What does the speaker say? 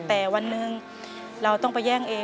แต่วันหนึ่งเราต้องไปแย่งเอง